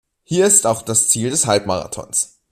Hier ist auch das Ziel des Halbmarathons.